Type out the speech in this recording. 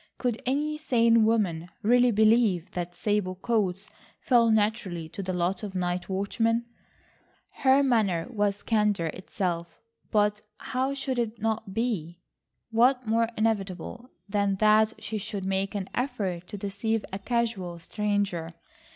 Could any sane woman really believe that sable coats fell naturally to the lot of night watchmen? Her manner was candour itself, but how should it not be? What more inevitable than that she should make an effort to deceive a casual stranger?